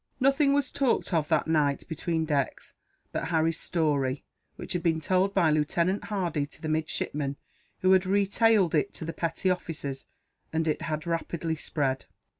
Nothing was talked of that night, between decks, but Harry's story; which had been told by Lieutenant Hardy to the midshipmen, who had retailed it to the petty officers, and it had rapidly spread.